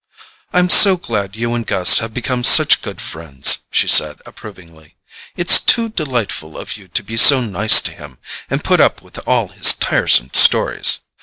"I'm so glad you and Gus have become such good friends," she said approvingly. "It's too delightful of you to be so nice to him, and put up with all his tiresome stories.